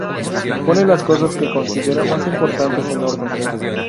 Pone las cosas que considera más importantes en orden.